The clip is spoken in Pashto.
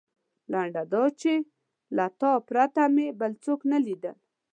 لنډه دا چې له تا پرته مې بل هېڅوک نه لیدل.